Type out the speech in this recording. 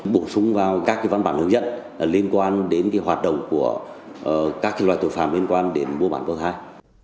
bổ sung vào các văn bản hướng dẫn liên quan đến hoạt động của các loài tội phạm liên quan đến mua bán bảo thai